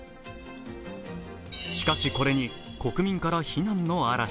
しかし、これに国民から非難の嵐。